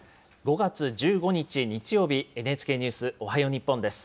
５月１５日日曜日、ＮＨＫニュースおはよう日本です。